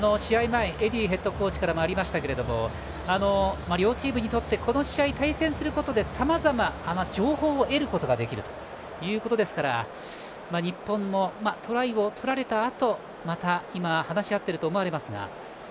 前エディーヘッドコーチからもありましたが両チームにとってこの試合、対戦することでさまざま情報を得ることができるということですから日本もトライを取られたあとまた今、話し合っていると思われますが。